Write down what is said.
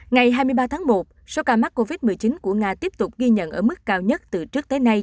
ngày hai mươi ba tháng một số ca mắc covid một mươi chín của nga tiếp tục ghi nhận ở mức cao nhất từ trước tới nay